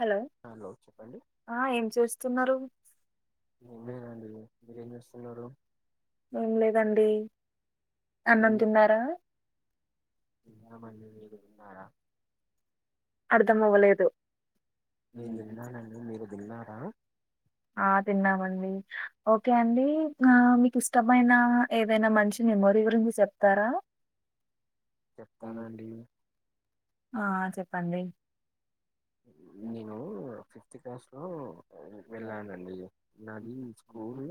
Hello ఆ ఏం చేస్తున్నారు? ఏం లేదండి మీరేం చేస్తున్నారు ఏం లేదండి. అన్నం తిన్నారా? తిన్నాం అండి. మీరు తిన్నారా? అర్థం అవ్వలేదు. నేను తిన్నానండి మీరు తిన్నారా ఆ తిన్నామండి. ఓకే అండి ఆ మీకు ఇష్టమైన ఏదైనా మంచి మెమొరి గురించి చెప్తారా. చెప్తానండి. ఆ చెప్పండి. నేను ఫిఫ్త్ క్లాస్ లో వెళ్ళానండి నాది స్కూల్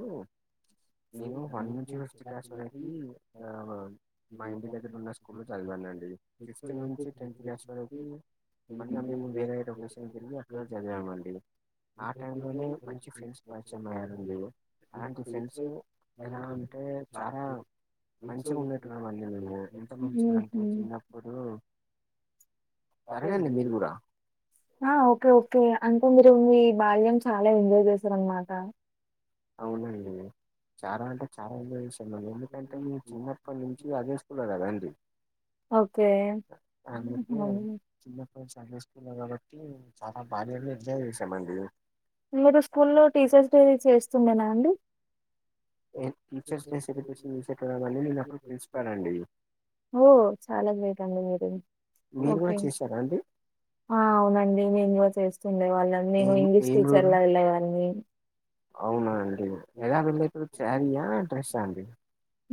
నేను వన్ నుంచి ఫిఫ్త్ క్లాస్ వరకి ఆ మా ఇంటి దగ్గర ఉన్న స్కూల్ చదివానండి. ఫిఫ్త్ నుంచి టెన్త్ క్లాస్ వరకి వినిపిస్తుందా? లొకేషన్ కెళ్ళి అక్కడ చదివామండి. ఆ టైంలోనే మంచి ఫ్రెండ్స్ పరిచయమయ్యారండి అలాంటి ఫ్రెండ్స్ ఎలా అంటే చాలా మంచిగ హుహు. ఉండేటోళ్ళమండి మేము ఎంత మంచిగ అంటే చిన్నప్పుడు జరగండి మీరు గూడా ఆ ఓకే ఓకే అంటే మీరు మీ బాల్యం చాలా ఎంజాయ్ చేశారన్నమాట అవునండి చాలా అంటే చాలా ఎంజాయ్ చేస్ ఎందుకంటే మీ చిన్నప్పటి నుంచి అదే స్కూల్ లో గదండి. ఓకే చిన్నప్పటి నుంచి అదే కాబట్టి చాలా బాల్యంలో ఎంజాయ్ చేసామండి. మీరు స్కూల్లో టీచర్స్ డే చేస్తుండేనా అండి. టీచర్స్ డే సెలబ్రేషన్ పిలిస్తే ఎట్లా రావాలి అని నేనప్పుడు ప్రిన్సిపాల్ అండి. ఓ చాలా గ్రేట్ అండి మీర్ మీరు ఓకే కూడా చేశారా అండి ఆ అవునండి. నేన్ గూడ చేస్తుండే వాళ్ళ నేను ఏం ఇంగ్లీష్ ఏం టీచర్ రూల్ గా యెళ్ళేదాన్ని అవునా అండి ఎలా వెళ్ళారు శారీయా డ్రెస్సా అండి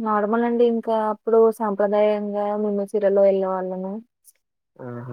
నార్మల్ అండి ఇంకా అప్పుడు సాంప్రదాయంగా మేము చీరలో వెళ్ళే వాళ్ళము ఆహా